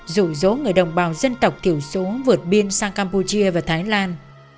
rụ rỗ người đồng bào dân tộc thiểu số vượt biên sang campuchia và thái lan